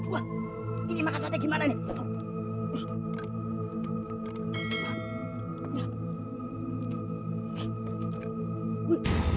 wah ini makan sate gimana nih